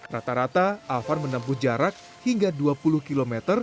rata rata afan menempuh jarak hingga dua puluh km